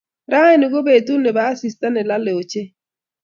Raini ko betut ne bo asist a ne lolei ochei.